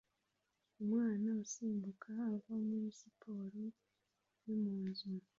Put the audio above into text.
Umwana usimbuka ava muri siporo yo mu nzu